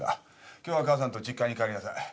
今日は母さんと実家に帰りなさい。